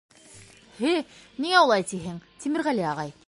— Һе, ниңә улай тиһең, Тимерғәле ағай?